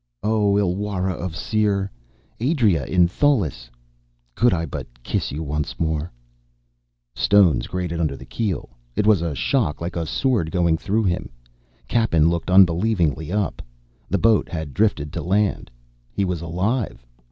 _O Ilwarra of Syr, Aedra in Tholis, could I but kiss you once more _ Stones grated under the keel. It was a shock like a sword going through him. Cappen looked unbelievingly up. The boat had drifted to land he was alive!